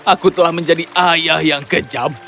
aku telah menjadi ayah yang kejam